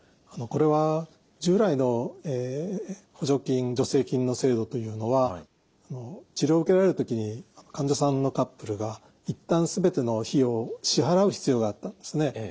これは従来の補助金助成金の制度というのは治療を受けられる時に患者さんのカップルが一旦全ての費用を支払う必要があったんですね。